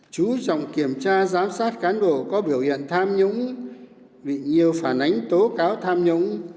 chú trọng kiểm tra giám sát cán bộ có biểu hiện tham nhũng bị nhiều phản ánh tố cáo tham nhũng